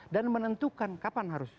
dan menentukan kapan harus